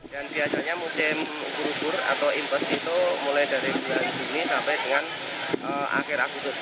dan biasanya musim ubur ubur atau impes itu mulai dari bulan juni sampai dengan akhir agustus